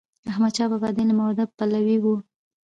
احمد شاه بابا د علم او ادب پلوی و.